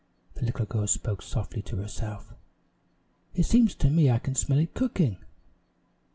The little girl spoke softly to herself. "It seems to me I can smell it cooking.